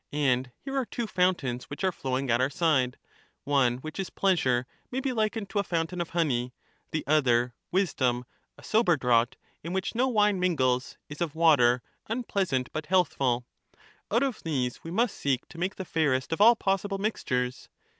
and here are two fountains which are flowing at our side: one, which is pleasure, may be likened to a fountain of honey; the other, wisdom, a sober draught in which no wine mingles, is of water unpleasant but healthful ; out of these we must seek to make the fairest of all possible mixtures.